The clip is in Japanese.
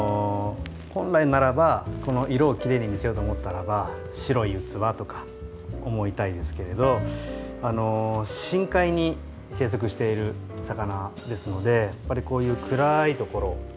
本来ならばこの色をきれいに見せようと思ったらば白い器とか思いたいんですけれど深海に生息している魚ですのでやっぱりこういう暗いところ。